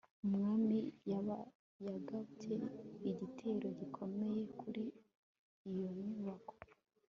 Umwanzi yagabye igitero gikomeye kuri iyo nyubako